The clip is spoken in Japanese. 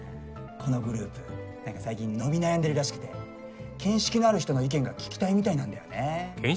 このグループなんか最近伸び悩んでるらしくて見識のある人の意見が聞きたいみたいなんだよね。